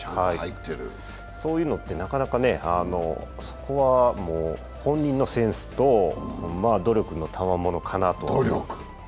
そういうのってなかなか、そこはもう本人のセンスと努力のたまものかなと。